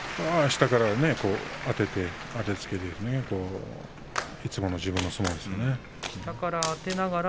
下からあててあてつけて、いつもの相撲ですね。